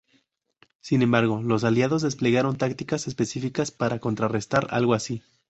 Sin embargo, los aliados desplegaron tácticas específicas para contrarrestar algo así.